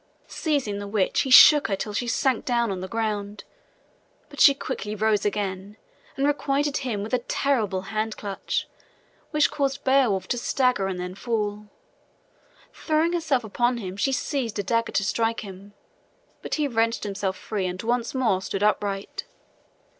Seizing the witch, he shook her till she sank down on the ground; but she quickly rose again and requited him with a terrible hand clutch, which caused Beowulf to stagger and then fall. Throwing herself upon him, she seized a dagger to strike him; but he wrenched himself free and once more stood upright.